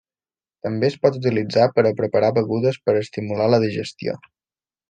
També es pot utilitzar per a preparar begudes per a estimular la digestió.